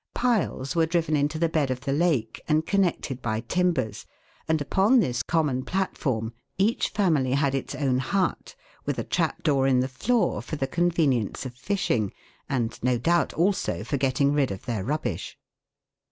Piles were driven into the bed of the lake and connected by timbers, and upon this common platform each family had its own hut, with a trap door in the floor for the convenience THE BRONZE PERIOD. 265 of fishing, and no doubt also for getting rid of their rubbish (Fig.